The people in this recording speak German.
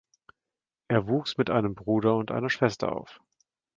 Er wuchs mit einem Bruder und einer Schwester auf.